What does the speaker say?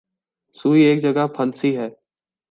سوئی ایک جگہ پھنسی ہے۔